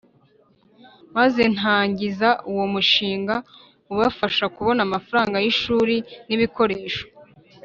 maze ntangiza uwo mushinga ubafasha kubona amafaranga y’ishuri n’ibikoresho.